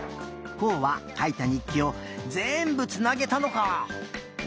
こうはかいた日記をぜんぶつなげたのか！